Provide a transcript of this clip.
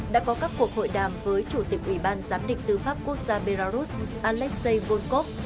đã có các cuộc hội đàm với chủ tịch ủy ban giám định tư pháp quốc gia belarus alexei volkov